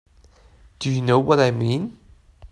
Do you know what I mean?